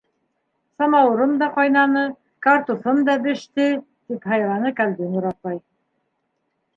- Самауырым да ҡайнаны, картуфым да беште! - тип һайраны Ҡәлбинур апай.